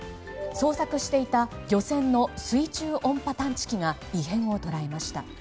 捜索していた漁船の水中音波探知機が異変を捉えました。